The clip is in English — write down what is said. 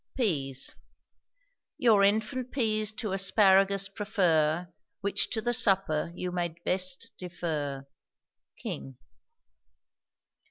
PEAS. Your infant peas to asparagus prefer; Which to the supper you may best defer. KING.